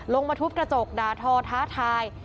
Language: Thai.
ลงมาทุบกระจกด่าทอท้าทาย